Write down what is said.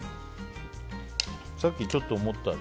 さっきちょっと思った。